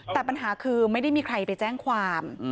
แต่ปัญหาคือไม่ได้มีใครไปแจ้งความ